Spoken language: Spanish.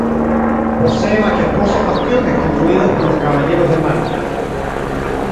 Posee majestuosos bastiones, construidos por los caballeros de Malta.